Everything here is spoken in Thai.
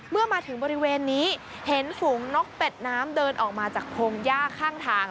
เมื่อมาถึงบริเวณนี้เห็นฝูงนกเป็ดน้ำเดินออกมาจากพงหญ้าข้างทาง